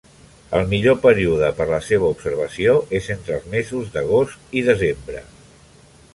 El millor període per a la seva observació és entre els mesos d'agost i desembre.